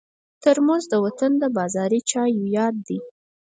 ترموز د وطن د بازاري چایو یاد دی.